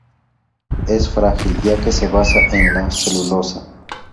Es frágil, ya que se basa en la celulosa.